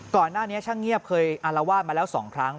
ก่อนหน้านี้ช่างเงียบเคยอารวาสมาแล้ว๒ครั้ง